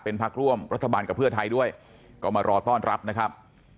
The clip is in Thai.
พักร่วมรัฐบาลกับเพื่อไทยด้วยก็มารอต้อนรับนะครับ